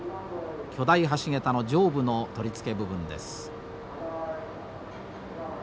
巨大橋桁の上部の取り付け部分です。